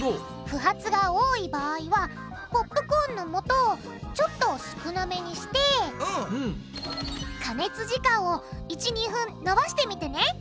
不発が多い場合はポップコーンのもとをちょっと少なめにして加熱時間を１２分のばしてみてね。